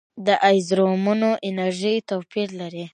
د ایزومرونو انرژي توپیر لري.